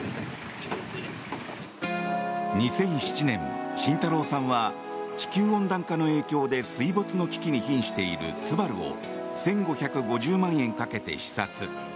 ２００７年、慎太郎さんは地球温暖化の影響で水没の危機に瀕しているツバルを１５５０万円かけて視察。